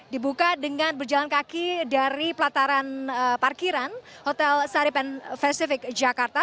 dibuka dengan berjalan kaki dari pelataran parkiran hotel saripan pacific jakarta